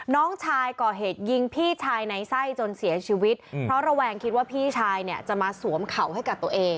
น้องชายก่อเหตุยิงพี่ชายในไส้จนเสียชีวิตเพราะระแวงคิดว่าพี่ชายเนี่ยจะมาสวมเข่าให้กับตัวเอง